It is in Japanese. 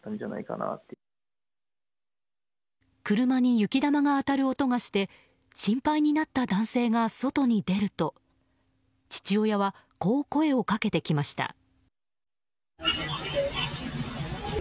車に雪玉が当たる音がして心配になった男性が外に出ると父親はこう声をかけてきました。